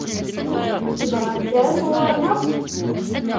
Tebɣam kra sɣur-neɣ?